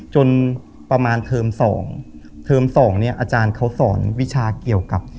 จนประมาณเทอมสองเทอมสองเนี่ยอาจารย์เขาสอนวิชาเกี่ยวกับ